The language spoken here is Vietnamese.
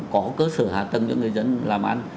có cơ sở hạ tầng cho người dân làm ăn